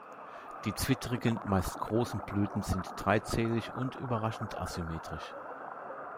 Die zwittrigen, meist großen Blüten sind dreizählig und überraschend asymmetrisch.